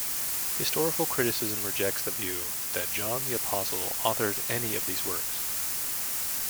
Historical criticism rejects the view that John the Apostle authored any of these works.